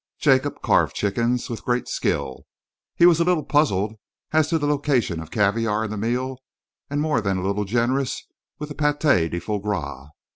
Jacob carved chickens with great skill, but was a little puzzled as to the location of caviare in the meal and more than a little generous with the pâté de foie gras.